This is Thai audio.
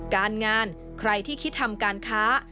การงานใครที่คิดทำการค้า